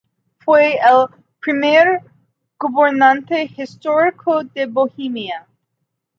Fue el primer gobernante histórico de Bohemia.